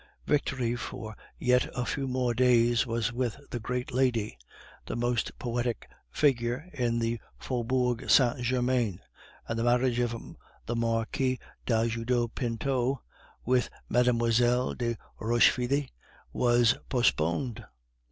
Victory for yet a few more days was with the great lady, the most poetic figure in the Faubourg Saint Germain; and the marriage of the Marquis d'Ajuda Pinto with Mlle. de Rochefide was postponed.